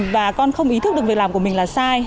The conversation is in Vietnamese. và con không ý thức được việc làm của mình là sai